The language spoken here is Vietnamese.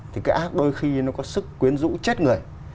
thì cái ác đôi khi nó có sức quyến rũ chết người